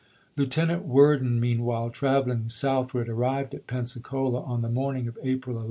Lieutenant Worden meanwhile, traveling south ward, arrived at Pensacola on the morning of April 11.